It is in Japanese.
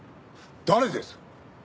誰です？